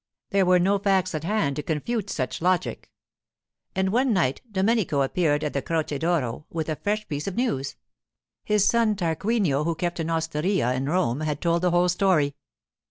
There were no facts at hand to confute such logic. And one night Domenico appeared at the Croce d'Oro with a fresh piece of news; his son, Tarquinio, who kept an osteria in Rome, had told the whole story.